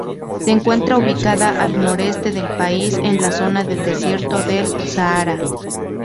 Se encuentra ubicada al noreste del país, en la zona del desierto del Sahara.